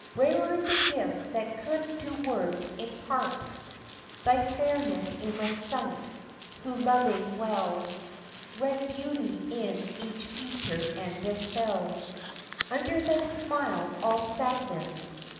Rarer the gift that could to words impart Thy fairness in my sight, who loving well Read beauty in each feature and dispel Under thy smile all sadness.